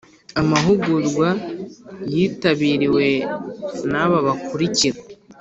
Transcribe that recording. Amahugurwa yitabiriwe n aba bakurikira